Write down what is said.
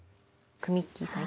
くみっきーさん